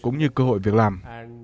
cũng như cơ hội việc làm